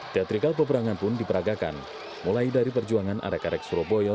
teatrikal peperangan pun diperagakan mulai dari perjuangan arek arek surabaya